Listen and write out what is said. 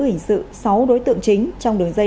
hình sự sáu đối tượng chính trong đường dây